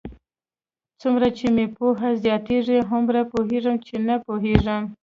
څومره چې مې پوهه زیاتېږي، هومره پوهېږم؛ چې نه پوهېږم.